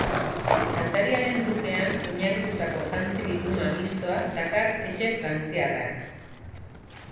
Kantariaren lookean oinarritutako jantzi-bilduma mistoa dakar etxe frantziarrak.